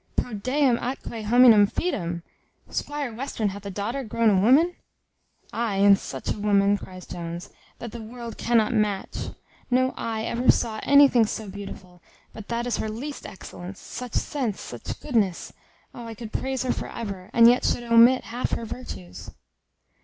"Proh deum atque hominum fidem! Squire Western hath a daughter grown a woman!" "Ay, and such a woman," cries Jones, "that the world cannot match. No eye ever saw anything so beautiful; but that is her least excellence. Such sense! such goodness! Oh, I could praise her for ever, and yet should omit half her virtues!"